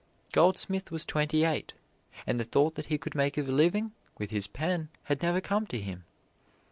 Goldsmith was twenty eight, and the thought that he could make a living with his pen had never come to him.